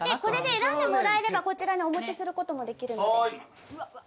選んでもらえればこちらにお持ちすることもできるので。